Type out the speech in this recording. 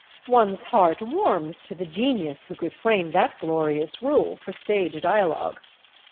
One's heart warms to the genius who could frame that glorious rule for stage dialogue.